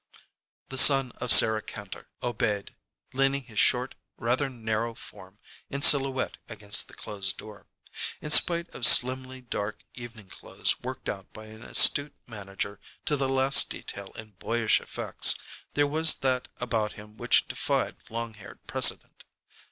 The son of Sarah Kantor obeyed, leaning his short, rather narrow form in silhouette against the closed door. In spite of slimly dark evening clothes worked out by an astute manager to the last detail in boyish effects, there was that about him which defied long haired precedent.